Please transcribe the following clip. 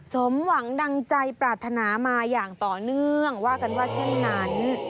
สมหวังดังใจปรารถนามาอย่างต่อเนื่องว่ากันว่าเช่นนั้น